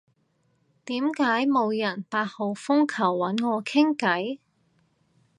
點解冇人八號風球搵我傾偈？